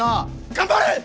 頑張れ！